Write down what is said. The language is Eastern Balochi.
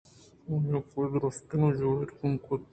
آئیءَ پہ دُرٛستاں جیڑات ءُغم کُت